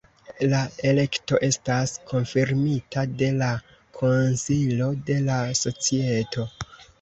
La elekto estas konfirmita de la Konsilo de la Societo.